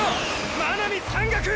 真波山岳！！